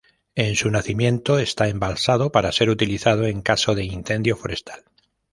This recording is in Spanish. En su nacimiento está embalsado para ser utilizado en caso de incendio forestal.